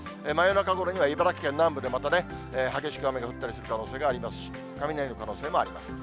中ごろには茨城県南部でまたね、激しく雨が降ったりする可能性もありますし、雷の可能性もあります。